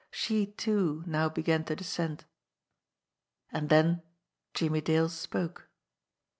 She, too, now began to descend. And then Jimmie Dale spoke.